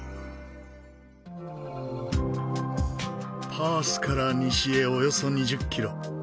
パースから西へおよそ２０キロ。